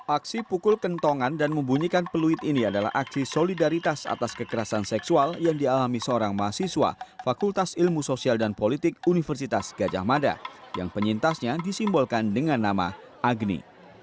aksi pukul kentongan dan membunyikan peluit ini adalah aksi solidaritas atas kekerasan seksual yang dialami seorang mahasiswa fakultas ilmu sosial dan politik universitas gajah mada yang penyintasnya disimbolkan dengan nama agni